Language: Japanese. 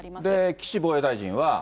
岸防衛大臣は。